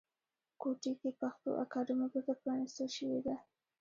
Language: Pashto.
کوټې کې پښتو اکاډمۍ بیرته پرانیستل شوې ده